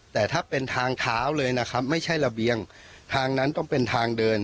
แต่ถ้าเป็นทางเท้าเลยนะครับไม่ใช่ระเบียงทางนั้นต้องเป็นทางเดิน